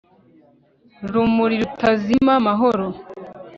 rumuri rutazima, mahoro